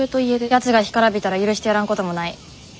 ヤツが干からびたら許してやらんこともない。